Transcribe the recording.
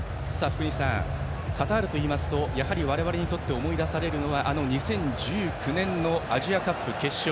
福西さん、カタールというとやはり我々にとって思い出されるのは２０１９年のアジアカップ決勝。